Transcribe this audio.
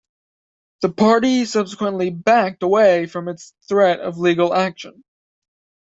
The party subsequently backed away from its threat of legal action.